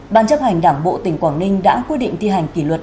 ban chấp hành đảng bộ tỉnh quảng ninh đã quyết định thi hành kỷ luật